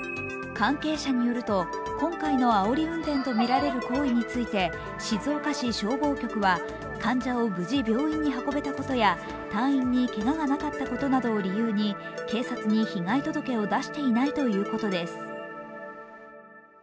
関係者によると、今回のあおり運転とみられる行為について静岡市消防局は、患者を無事病院に運べたことや隊員にけががなかったことなどを理由に警察に被害届を出していないということです。